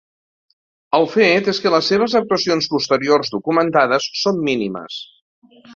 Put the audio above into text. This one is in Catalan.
El fet és que les seves actuacions posteriors documentades són mínimes.